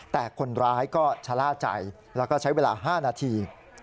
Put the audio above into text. แต่คนร้ายก็ชะล่าใจแล้วก็ใช้เวลา๕นาที